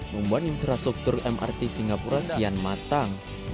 membuat infrastruktur mrt singapura kian matang